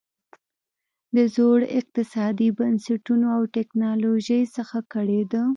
د زړو اقتصادي بنسټونو او ټکنالوژۍ څخه کړېده.